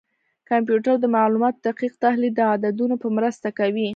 کمپیوټر د معلوماتو دقیق تحلیل د عددونو په مرسته کوي.